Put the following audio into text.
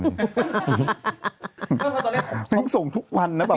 ไม่ต้องส่งทุกวันนะบ่าเภา